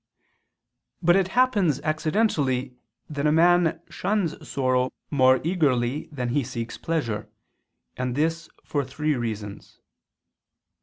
But it happens accidentally that a man shuns sorrow more eagerly than he seeks pleasure: and this for three reasons.